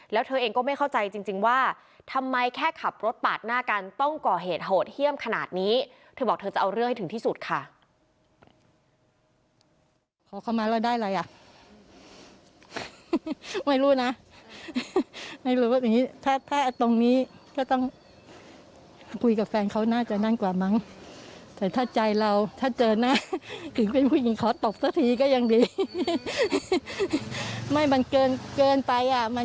แล้วเธอเองก็ไม่เข้าใจจริงว่าทำไมแค่ขับรถปาดหน้ากันต้องก่อเหตุโหดเยี่ยมขนาดนี้เธอบอกเธอจะเอาเรื่องให้ถึงที่สุดค่ะ